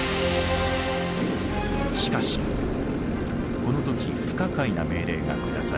しかしこの時不可解な命令が下された。